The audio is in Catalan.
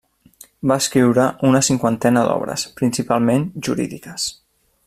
Va escriure una cinquantena d'obres, principalment jurídiques.